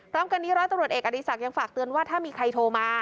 พร้อมกันนี้ร้อยตำรวจเอกอดีศักดิ์ยังฝากเตือนว่าถ้ามีใครโทรมา